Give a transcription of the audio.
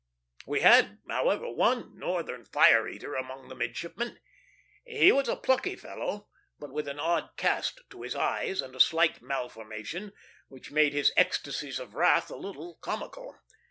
We had, however, one Northern fire eater among the midshipmen. He was a plucky fellow, but with an odd cast to his eyes and a slight malformation, which made his ecstasies of wrath a little comical.